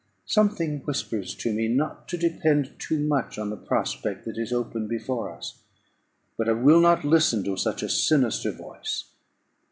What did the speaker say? Something whispers to me not to depend too much on the prospect that is opened before us; but I will not listen to such a sinister voice.